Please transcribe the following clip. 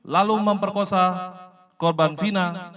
lalu memperkosa korban fina